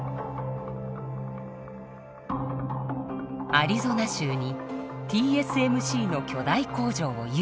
アリゾナ州にＴＳＭＣの巨大工場を誘致。